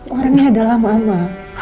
karena ini adalah mama